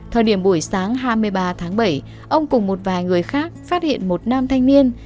thời điểm buổi sáng hai mươi ba tháng bảy ông cùng một vài người khác phát hiện một nam thanh niên